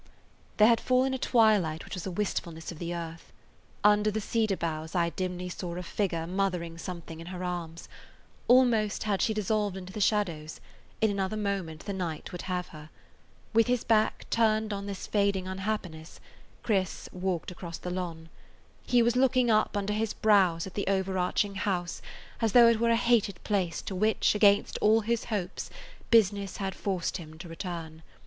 There had fallen a twilight which was a wistfulness of the earth. Under the cedar boughs I dimly saw a figure mothering something in her arms. Almost had she dissolved into the shadows; in another moment the night would have her. With his back turned on this fading unhappiness Chris walked across the lawn. He was looking up under his brows at the over arching house as though it were a hated place to which, against all his hopes, business had forced him to return.